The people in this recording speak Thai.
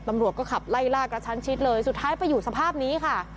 ตำรวจก็ขับไล่ล่ากระชั้นชิดเลยสุดท้ายไปอยู่สภาพนี้ค่ะ